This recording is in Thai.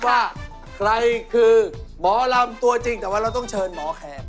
ว่าใครคือหมอลำตัวจริงแต่ว่าเราต้องเชิญหมอแขก